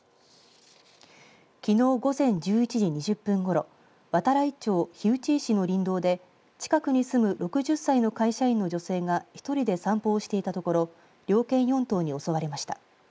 きのう午前１１時２０分ごろ度会町火打石の林道で近くに住む６０歳の会社員の女性が１人で散歩をしていたところ猟犬４頭に襲われました。